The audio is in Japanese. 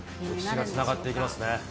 歴史がつながっていきますね。